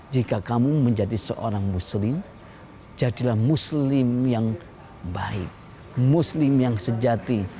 jika kamu menjadi seorang muslim jadilah muslim yang baik muslim yang sejati